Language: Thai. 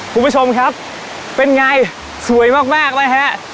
คุณผู้ชมครับเป็นไงสวยมากนะฮะ